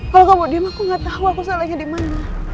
kalau kamu diem aku gak tahu aku salahnya di mana